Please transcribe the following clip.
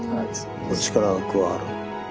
力が加わる。